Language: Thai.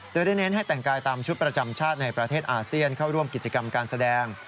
โดยได้เน้นให้แต่งกายตามชุดประจำชาติในประเทศอาเซียนเข้าร่วมกิจกรรมการแสดง